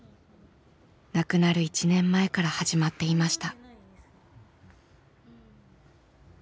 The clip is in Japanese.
亡くなる１年前から始まっていました。